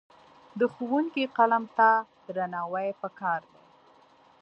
د ښوونکي قلم ته درناوی پکار دی.